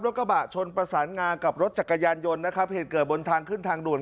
กระบะชนประสานงากับรถจักรยานยนต์นะครับเหตุเกิดบนทางขึ้นทางด่วน